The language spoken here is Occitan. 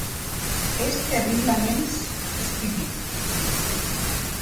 Ès terriblaments estupid.